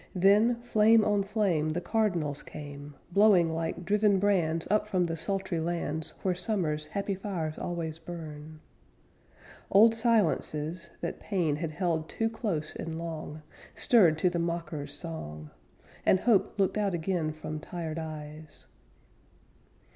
Then, flame on flame, The cardinals came, Blowing like driven brands Up from the sultry lands Where Summer's happy fires always burn. Old silences, that pain Had held too close and long, Stirred to the mocker's song, And hope looked out again From tired eyes.